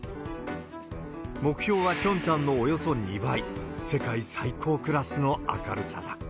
目標はピョンチャンのおよそ２倍、世界最高クラスの明るさだ。